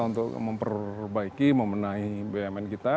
untuk memperbaiki memenahi bumn kita